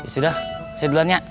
sudah saya duluan ya